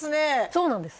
そうなんです